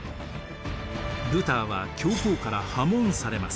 ルターは教皇から破門されます。